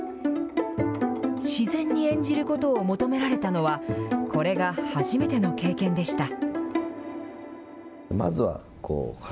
自然に演じることを求められたのは、これが初めての経験でした。